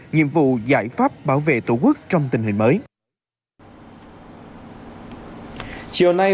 nhiệm vụ giải pháp bảo vệ tổ quốc trong tình hình mới